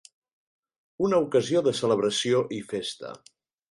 Una ocasió de celebració i festa.